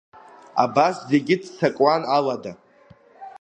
Абас зегьы ццакуан алада.